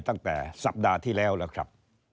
ตั้งแต่สัปดาห์ที่แล้วแล้วครับ